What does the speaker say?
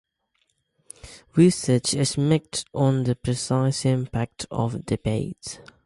Research is mixed on the precise impact of debates.